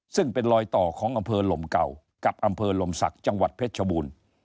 ซึ่งเป็นรอยต่อของอำเภอลมเก่ากับอำเภอลมศักดิ์จังหวัดเพชรชบูรณ์